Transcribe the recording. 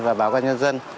và báo công an nhân dân